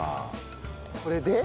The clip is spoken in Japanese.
これで？